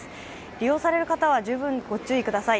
利用される方は十分ご注意ください。